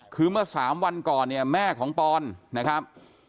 คือเมื่อ๓วันก่อนเนี่ยแม่ของปอนนะครับ